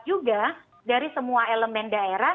juga dari semua elemen daerah